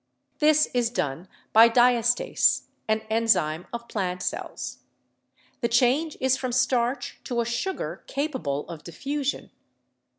This is done by diastase, an enzyme of plant cells. The change is from starch to a sugar capable of diffusion.